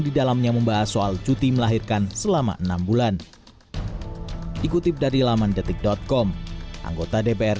di dalamnya membahas soal cuti melahirkan selama enam bulan ikutip dari laman detik com anggota dpr